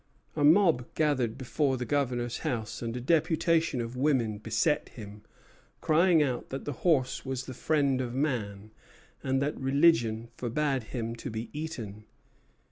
A mob gathered before the Governor's house, and a deputation of women beset him, crying out that the horse was the friend of man, and that religion forbade him to be eaten.